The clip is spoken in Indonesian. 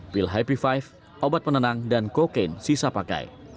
pil hp lima obat penenang dan kokain sisa pakai